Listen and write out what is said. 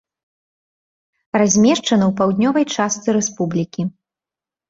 Размешчана ў паўднёвай частцы рэспублікі.